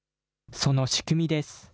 その仕組みです。